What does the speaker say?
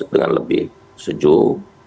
dengan lebih sejuk